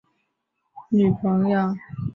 死前的女朋友苑琼丹陪伴在旁。